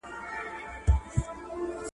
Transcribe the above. زکات د ټولني د یووالي سبب ګرځي.